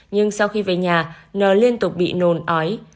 nhưng sau khi về nhà n liên tục bị nôn ói